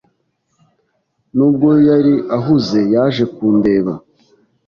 Nubwo yari ahuze, yaje kundeba.